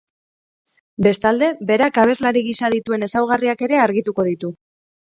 Bestalde, berak abeslari gisa dituen ezaugarriak ere argituko ditu.